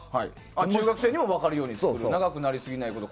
中学生にも分かるように作る長くなりすぎないこと